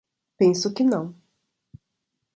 Penso que não.